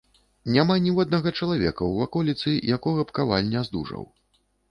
Няма ніводнага чалавека ў ваколіцы, якога б каваль не здужаў.